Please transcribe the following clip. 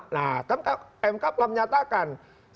nah kan mk telah menyatakan